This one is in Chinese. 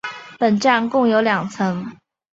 本站共有两层。